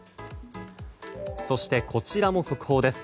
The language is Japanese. そして、こちらも速報です。